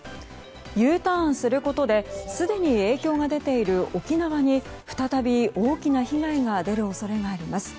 Ｕターンすることですでに影響が出ている沖縄に再び大きな被害が出る恐れがあります。